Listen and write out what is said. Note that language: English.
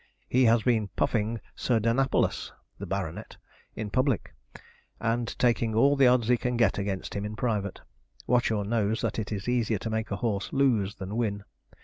He has been puffing 'Sir Danapalus (the Bart.)' in public, and taking all the odds he can get against him in private. Watchorn knows that it is easier to make a horse lose than win.